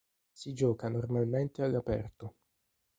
Si gioca normalmente all'aperto.